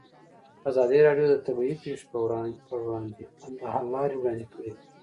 ازادي راډیو د طبیعي پېښې پر وړاندې د حل لارې وړاندې کړي.